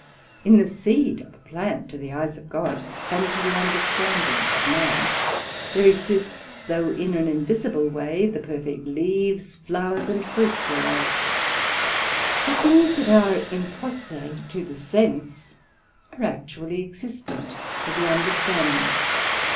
In the seed of a Plant to the eyes of God, and to the understanding of man, there exists, though in an invisible way, the perfect leaves, flowers, and fruit thereof: (for things that are in posse to the sense, are actually existent to the understanding).